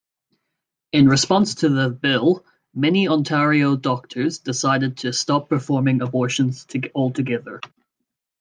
In response to the bill, many Ontario doctors decided to stop performing abortions altogether.